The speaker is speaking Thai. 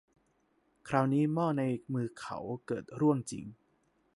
คราวนี้หม้อในมือเขาเกิดร่วงจริง